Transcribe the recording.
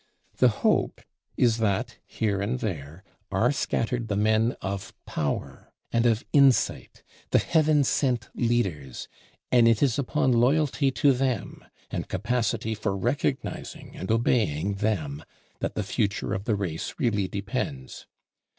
The hope is that, here and there, are scattered the men of power and of insight, the heaven sent leaders; and it is upon loyalty to them and capacity for recognizing and obeying them that the future of the race really depends.